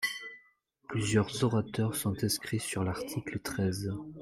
Plusieurs orateurs sont inscrits sur l’article treize.